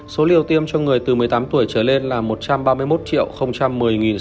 số liều tiêm cho người từ một mươi tám tuổi trở lên là một trăm ba mươi một một mươi sáu trăm linh hai liều